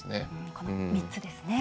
この３つですね。